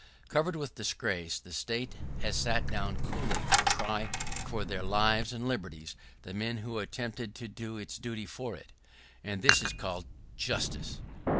[¶41] Covered with disgrace, the State has sat down coolly to try for their lives and liberties the men who attempted to do its duty for it. And this is called justice!